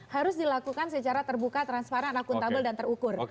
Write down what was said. harus dilakukan secara terbuka transparan akuntabel dan terukur